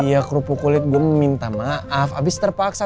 iya kerupuk kulit gua minta maaf abis terpaksa